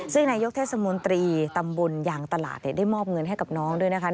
ซึ่งนายกิตตีศักดิ์สมนตรีเทศบาลตำบลยางตลาดได้มอบเงินให้กับน้องด้วยนะคะ